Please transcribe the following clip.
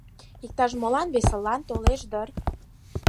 Иктаж-молан весылан толеш дыр?